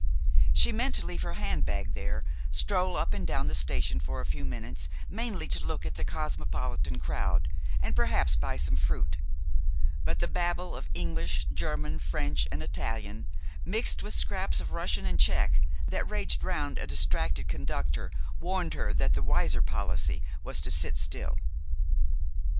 She meant to leave her handbag there, stroll up and down the station for a few minutes, mainly to look at the cosmopolitan crowd, and perhaps buy some fruit; but the babel of English, German, French, and Italian, mixed with scraps of Russian and Czech, that raged round a distracted conductor warned her that the wiser policy was to sit still.